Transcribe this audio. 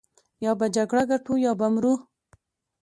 يا به جګړه ګټو يا به مرو.